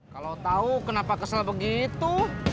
kalau tahu kenapa kesel begitu